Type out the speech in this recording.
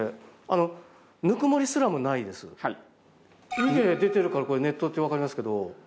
湯気出てるからこれ熱湯ってわかりますけど。